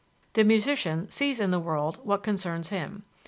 The musician sees in the world what concerns him.